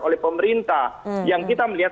oleh pemerintah yang kita melihat